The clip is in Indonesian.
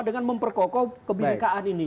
dengan memperkokoh kebhikakan ini